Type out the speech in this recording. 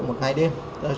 một ngày đêm